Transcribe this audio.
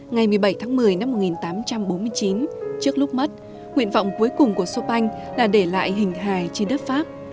ngày một mươi bảy tháng một mươi năm một nghìn tám trăm bốn mươi chín trước lúc mất nguyện vọng cuối cùng của chopin là để lại hình hài trên đất pháp